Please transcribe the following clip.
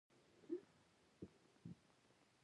هغه د اتو دېرشو کلونو معتبر شخصيت و.